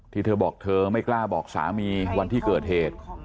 เธอบอกเธอไม่กล้าบอกสามีวันที่เกิดเหตุ